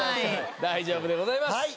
大丈夫でございます。